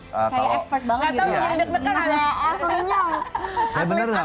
kayak expert yang banget gitu ya